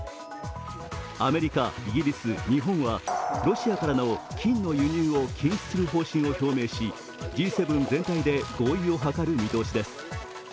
アメリカ、イギリス、日本はロシアからの金の輸入を禁止する方針を表明しＧ７全体で合意を図る見通しです。